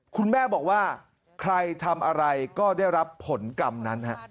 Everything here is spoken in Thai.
คุณแม่บอกว่าใครทำอะไรก็ได้รับผลกรรมนั้น